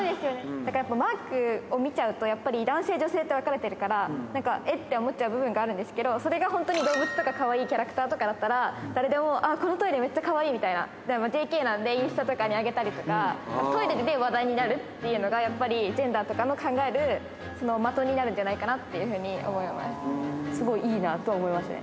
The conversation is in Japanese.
だから、マークを見ちゃうとやっぱり男性、女性って分かれてるから、なんか、えって思っちゃう部分もあるんですけど、それが本当に動物とかかわいいキャラクターとかだったら、誰でも、あっ、このトイレめっちゃかわいいみたいな、ＪＫなんでインスタとかに上げたりとか、トイレで話題っていうのが、やっぱり、ジェンダーとかの考える的になるんじゃないかなっていうふうに思すごいいいなとは思いましたね。